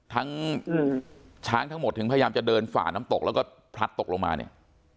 ช้างทั้งหมดถึงพยายามจะเดินฝ่าน้ำตกแล้วก็พลัดตกลงมาเนี่ย